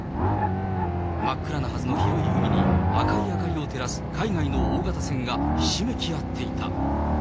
真っ暗なはずの黒い海に赤い明かりを照らす、海外の大型船がひしめき合っていた。